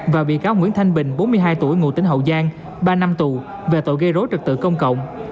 và bị cáo nguyễn thanh bình bốn mươi hai tuổi ngụ tỉnh hậu giang ba năm tù về tội gây rối trật tự công cộng